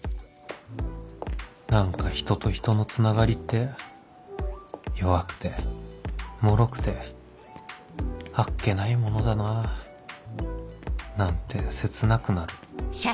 何か人と人のつながりって弱くて脆くてあっけないものだなぁなんて切なくなる